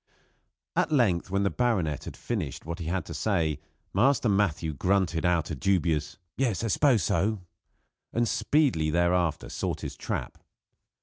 At length, when the baronet had finished what he had to say, Master Matthew grunted out a dubious "Yes I s'pose so" and speedily thereafter sought his trap.